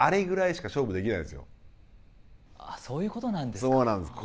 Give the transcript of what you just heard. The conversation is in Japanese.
ああそういうことなんですか。